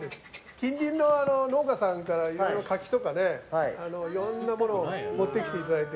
近隣の農家さんからいろいろ柿とかいろんなものを持ってきていただいて。